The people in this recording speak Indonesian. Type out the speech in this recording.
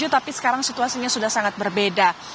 tapi sekarang situasinya sudah sangat berbeda